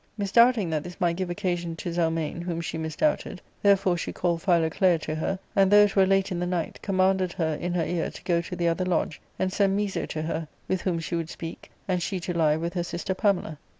Misdoubting that this might give occasion to Zelmane, whom she misdoubted, therefore she called Philoclea to her, and, though it were late in the night, commanded her in her ear to go to the other lodge, and send Miso to her, with whom she would speak, and she to lie with her sister Pamela.